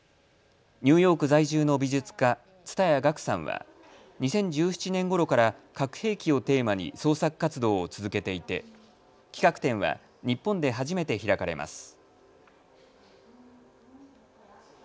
ニューヨーク在住の美術家、蔦谷楽さんは２０１７年ごろから核兵器をテーマに創作活動を続けていて企画展は日本で初めて開かれます。